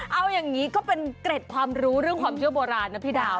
เอาอย่างนี้ก็เป็นเกร็ดความรู้เรื่องความเชื่อโบราณนะพี่ดาว